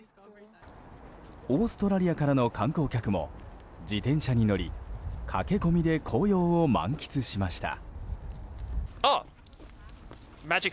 オーストラリアからの観光客も自転車に乗り駆け込みで紅葉を満喫しました。